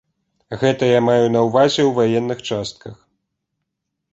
Гэта я маю на ўвазе ў ваенных частках.